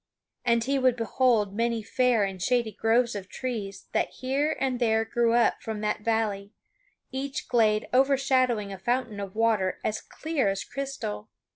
And he would behold many fair and shady groves of trees that here and there grew up from that valley, each glade overshadowing a fountain of water as clear as crystal.